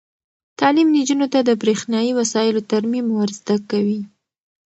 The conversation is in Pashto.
تعلیم نجونو ته د برښنايي وسایلو ترمیم ور زده کوي.